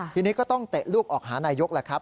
ทีนี้ก็ต้องเตะลูกออกหานายกแหละครับ